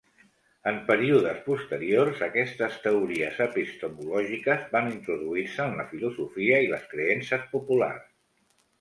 En períodes posteriors, aquestes teories epistemològiques van introduir-se en la filosofia i les creences populars.